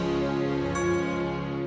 nino sudah pernah berubah